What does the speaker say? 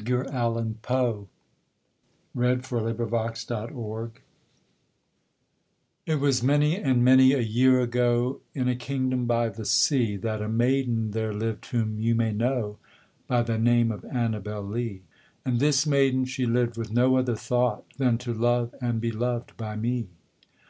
[Illustration: Annabel Lee] ANNABEL LEE It was many and many a year ago, In a kingdom by the sea, That a maiden there lived whom you may know By the name of ANNABEL LEE; And this maiden she lived with no other thought Than to love and be loved by me.